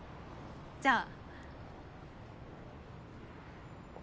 じゃあ。